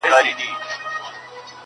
نه به ډزي وي- نه لاس د چا په وینو-